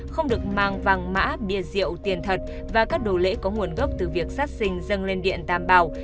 không được mang vàng mã bia rượu tiền thật và các đồ lễ có nguồn gốc từ việc sát sinh dân lên điện tàm bào